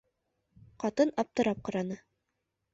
Ҡатын аптырап ҡараны.